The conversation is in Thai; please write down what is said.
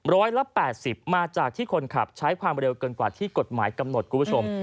ร้อยละ๘๐มาจากที่คนขับใช้ความเร็วเกินกว่าที่กฎหมายกำหนดคุณผู้ชม